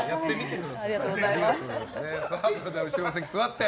では、後ろの席座って